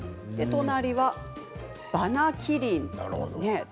隣はバナキリン。